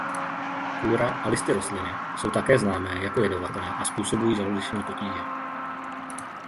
Kůra a listy rostliny jsou také známé jako jedovaté a způsobují žaludeční potíže.